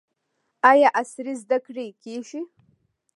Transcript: آیا عصري زده کړې کیږي؟